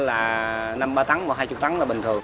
mình đang hạ chân trang